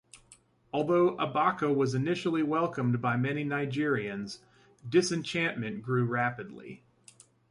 Although Abacha was initially welcomed by many Nigerians, disenchantment grew rapidly.